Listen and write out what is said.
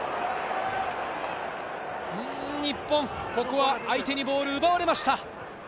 日本、ここは相手にボールを奪われました。